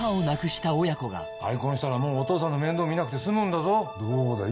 再婚したらもうお父さんの面倒見なくて済むんだぞどうだ？